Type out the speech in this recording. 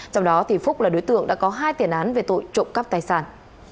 trong đó phúc là đối tượng đã có hai tiền án về tội trộm cắp tài sản